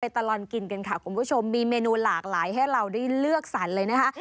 ตลอดกินกันค่ะคุณผู้ชมมีเมนูหลากหลายให้เราได้เลือกสรรเลยนะคะ